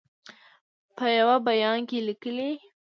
په یوه بیان کې لیکلي